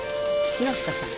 木下さん。